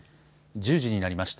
１０時になりました。